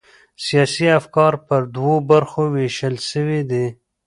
سیاسي افکار پر دوو برخو وېشل سوي دي.